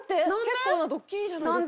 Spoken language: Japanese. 結構なドッキリじゃないですか？